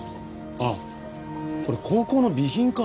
あっこれ高校の備品か。